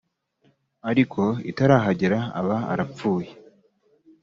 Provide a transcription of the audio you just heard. ariko itarahagera aba arapfuye